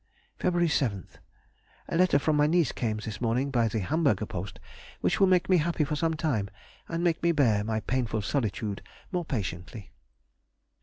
Feb. 7th.—A letter from my niece came this morning by the Hamburger post, which will make me happy for some time, and make me bear my painful solitude more patiently.